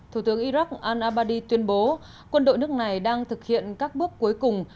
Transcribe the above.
thủ tướng iraq al abadi tuyên bố quân đội nước này đang thực hiện các bước cuối cùng